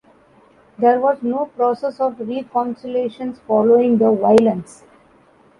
There was no process of reconciliation following the violence.